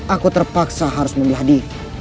aku terpaksa harus membeladi